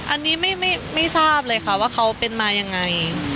อันนี้ไม่ทราบเลยค่ะว่าเขาเป็นมายังไง